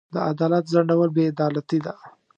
د عدالت ځنډول بې عدالتي ده.